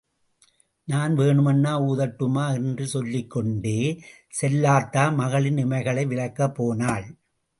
நான் வேணுமுன்னா ஊதட்டுமா... என்று சொல்லிக் கொண்டே செல்லாத்தா மகளின் இமைகளை விலக்கப் போனாள்.